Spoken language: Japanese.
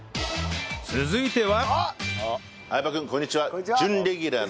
続いては